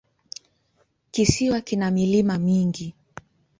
Kisiwa kina milima mingi.